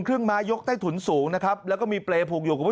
เครื่องไม้ยกใต้ถุนสูงนะครับแล้วก็มีเปรย์ผูกอยู่คุณผู้ชม